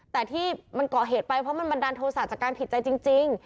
แต่ที่มันเกาะเหตุไปเพราะมันดันโทษศาสตร์จากการผิดใจจริง